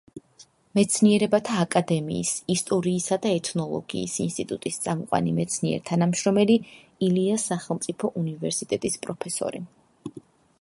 არის საქართველოს მეცნიერებათა აკადემიის ისტორიისა და ეთნოლოგიის ინსტიტუტის წამყვანი მეცნიერ-თანამშრომელი, ილიას სახელმწიფო უნივერსიტეტის პროფესორი.